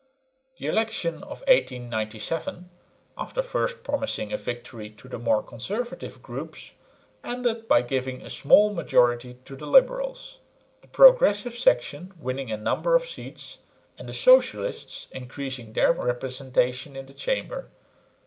The election of 1897, after first promising a victory to the more conservative groups, ended by giving a small majority to the liberals, the progressive section winning a number of seats, and the socialists increasing their representation in the Chamber.